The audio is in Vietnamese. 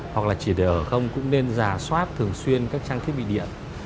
hoặc là chỉ để ở không cũng nên giả soát thường xuyên các trang thiết bị điện